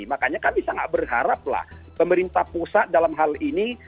makanya kami sangat berharaplah pemerintah pusat dalam hal ini